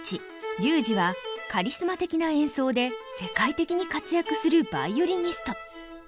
龍仁はカリスマ的な演奏で世界的に活躍するヴァイオリニスト。